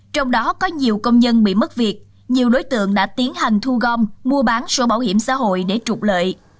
trong đó có nhiều công nhân bị mất việc nhiều đối tượng đã tiến hành thu gom mua bán sổ bảo hiểm xã hội để trục lợi